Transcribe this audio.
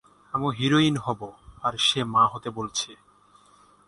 আমি হিরোইন হবো, আর সে মা হতে বলছে।